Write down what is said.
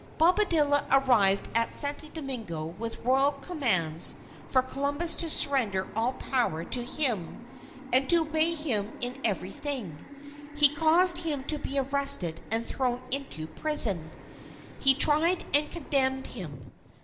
Bobadilla arrived at Santo Domingo with royal commands for Columbus to surrender all power to him, and to obey him in everything. He caused him to be arrested and thrown into prison. He tried and condemned him.